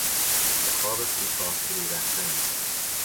به خواب کوتاه فرو رفتن